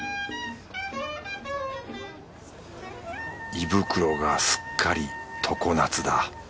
胃袋がすっかり常夏だ。